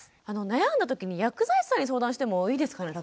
悩んだ時に薬剤師さんに相談してもいいですかね詫間さん。